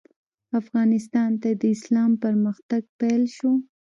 افغانستان ته د اسلام پرمختګ پیل شو.